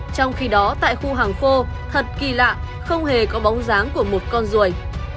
trong khi đó tại khu hàng khô thật kỳ lạ không hề có bóng dáng của một con ruồi